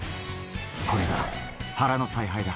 これが原の采配だ。